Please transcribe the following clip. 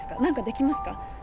何かできますか？